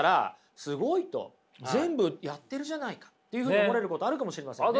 全部やってるじゃないかというふうに思われることあるかもしれませんね。